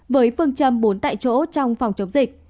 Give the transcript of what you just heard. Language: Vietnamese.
với phương châm bốn tại chỗ trong phòng chống dịch